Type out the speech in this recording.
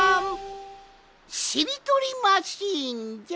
しりとりマシーンじゃ！